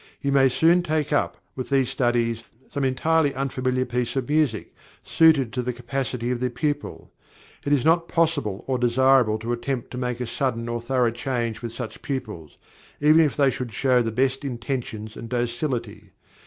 You may soon take up, with these studies, some entirely unfamiliar piece of music, suited to the capacity of the pupil. It is not possible or desirable to attempt to make a sudden and thorough change with such pupils, even if they should show the best intentions and docility.